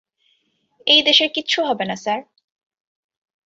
এই দেশের কিচ্ছু হবে না, স্যার।